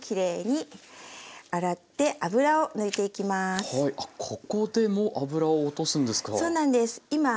あっここでも脂を落とすんですか？